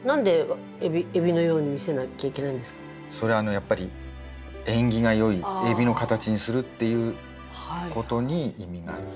それはやっぱり縁起が良い海老の形にするっていうことに意味がある。